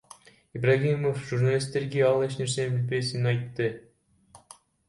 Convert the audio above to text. Ибраимов журналисттерге ал эч нерсе билбесин айтты.